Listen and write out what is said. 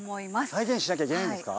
再現しなきゃいけないんですか？